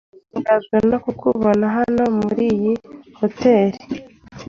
Natangajwe no kukubona hano muri iyi hoteri.